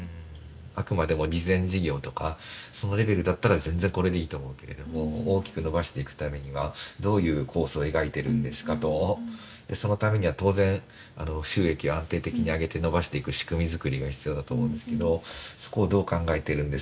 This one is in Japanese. あくまでも慈善事業とかそのレベルだったら全然これでいいと思うけれども大きく伸ばしていくためにはどういう構想を描いてるんですかとそのためには当然収益を安定的にあげて伸ばしていく仕組み作りが必要だと思うんですけどそこをどう考えてるんですか？